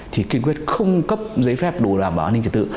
thì kiên quyết không cấp giấy phép đồ đảm bảo an ninh trật tự